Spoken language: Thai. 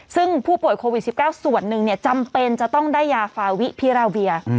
ซึ่งผู้ป่วยโควิด๑๙ส่วนหนึ่งจำเป็นจะต้องได้ยาฟาวิพิราเวีย